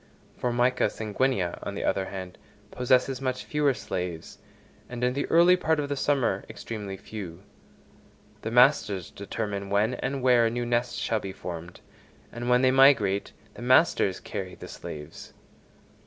Formica sanguinea, on the other hand, possesses much fewer slaves, and in the early part of the summer extremely few. The masters determine when and where a new nest shall be formed, and when they migrate, the masters carry the slaves.